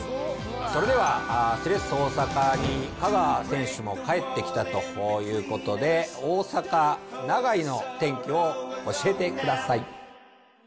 それではセレッソ大阪に香川選手も帰ってきたということで、大阪・長居の天気を教えてください。